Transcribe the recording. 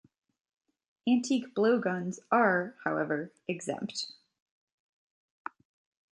Antique blowguns are, however, exempt.